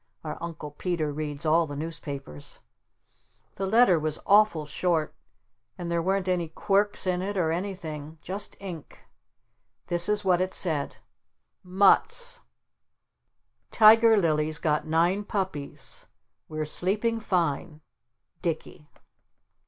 Our Uncle Peter reads all the newspapers. The letter was awful short. And there weren't any quirks in it or anything. Just ink. This is what it said: "Mutts: Tiger Lily's got nine puppies. We're sleeping fine. Dicky."